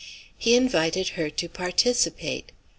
He invited her to participate.